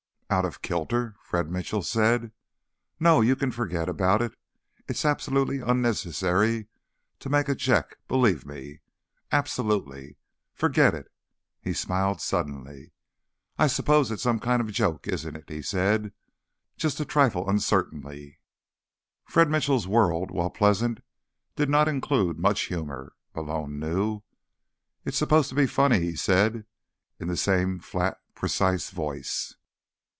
"Out of kilter?" Fred Mitchell said. "No, you can forget about it. It's absolutely unnecessary to make a check, believe me. Absolutely. Forget it." He smiled suddenly. "I suppose it's some kind of a joke, isn't it?" he said, just a trifle uncertainly. Fred Mitchell's world, while pleasant, did not include much humor, Malone knew. "It's supposed to be funny," he said in the same flat, precise voice.